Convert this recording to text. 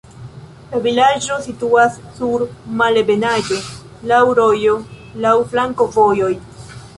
La vilaĝo situas sur malebenaĵo, laŭ rojo, laŭ flankovojoj.